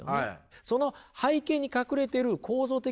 その背景に隠れている構造的